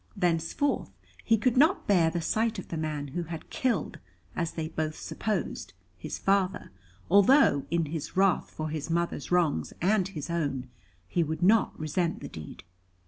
Thenceforth he could not bear the sight of the man who had killed, as they both supposed, his father, although, in his wrath for his mother's wrongs and his own, he would not resent the deed.